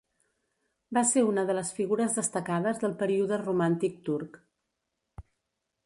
Va ser una de les figures destacades del període romàntic turc.